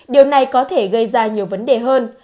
điều này có thể gây ra nhiều vấn đề hơn